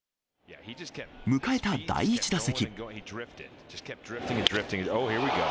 迎えた第１打席。